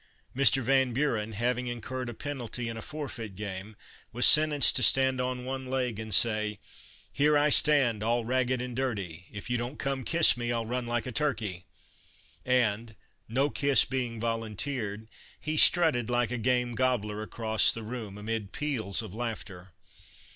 Mr. Van Buren, having in curred a penalty in a forfeit game, was sentenced to stand on one leg and say :" Here I stand all ragged and dirty, If you don't come kiss me I '11 run like a turkey !" and no kiss being volunteered, he strutted like a game gobbler across the room, amid peals of laughter.